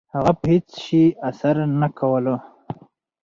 هغه په هیڅ شي اسره نه کوله. .